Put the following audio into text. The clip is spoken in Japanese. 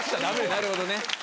なるほどね。